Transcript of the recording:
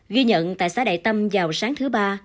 ghi nhận tại xã đại tâm vào sáng thứ ba